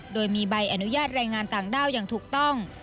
โดยมีใบอนุญาตแรงงานต่างด้าวอย่างถูกต้อง